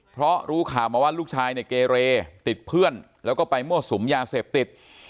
เพราะรู้ข่าวมาว่าลูกชายเนี่ยเกเรติดเพื่อนแล้วก็ไปมั่วสุมยาเสพติด